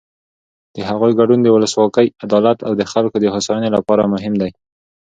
د هغوی ګډون د ولسواکۍ، عدالت او د خلکو د هوساینې لپاره مهم دی.